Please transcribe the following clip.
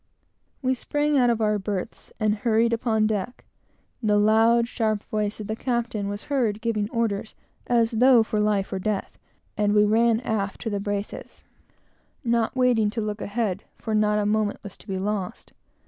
We sprang out of our berths and hurried upon deck. The loud, sharp voice of the captain was heard giving orders, as though for life or death, and we ran aft to the braces, not waiting to look ahead, for not a moment was to be lost.